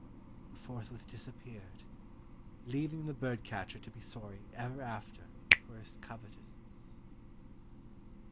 and forthwith disappeared, leaxing the bird catcher to be sorry ever after for his covetousness.